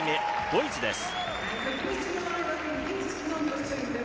ドイツです。